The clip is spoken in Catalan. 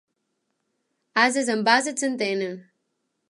Ases amb ases s'entenen.